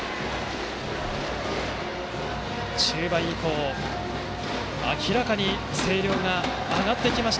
中盤以降、明らかに声量が上がってきました